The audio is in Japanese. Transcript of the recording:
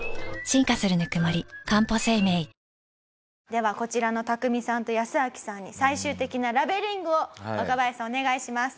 ではこちらのタクミさんとヤスアキさんに最終的なラベリングを若林さんお願いします。